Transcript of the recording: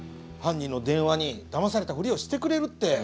犯人の電話にだまされたふりをしてくれるって。